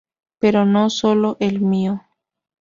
Pero no sólo el mío.